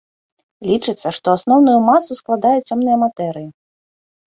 Лічыцца, што асноўную масу складае цёмная матэрыя.